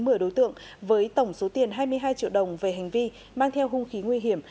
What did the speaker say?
một mươi đối tượng với tổng số tiền hai mươi hai triệu đồng về hành vi mang theo hung khí nguy hiểm